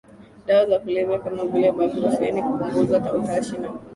dawa za kulevya kama vile baklofeni kupunguza utashi na